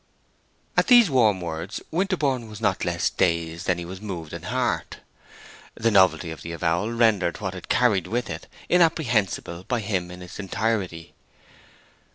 At these warm words Winterborne was not less dazed than he was moved in heart. The novelty of the avowal rendered what it carried with it inapprehensible by him in its entirety.